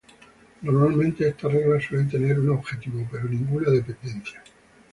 Normalmente estas reglas suelen tener un objetivo, pero ninguna dependencia.